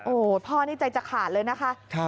โอ้โหพ่อนี่ใจจะขาดเลยนะคะ